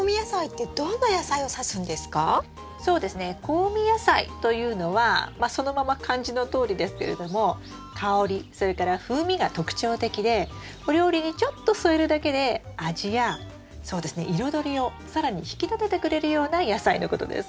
香味野菜というのはまあそのまま漢字のとおりですけれども香りそれから風味が特徴的でお料理にちょっと添えるだけで味やそうですね彩りを更に引き立ててくれるような野菜のことです。